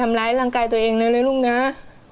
ไม่ได้รังกายตัวเองเลยล่ะลูกน้า